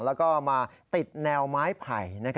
แล้วก็มาติดแนวไม้ไผ่